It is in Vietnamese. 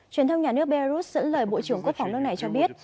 truyền thông nhà nước belarus dẫn lời bộ trưởng quốc phòng nước này cho biết